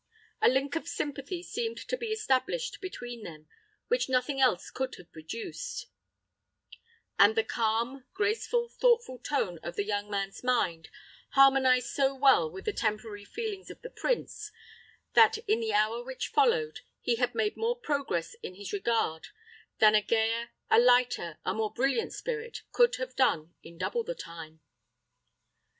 A link of sympathy seemed to be established between them, which nothing else could have produced, and the calm, graceful, thoughtful tone of the young man's mind harmonized so well with the temporary feelings of the prince, that, in the hour which followed, he had made more progress in his regard than a gayer, a lighter, a more brilliant spirit could have done in double the time.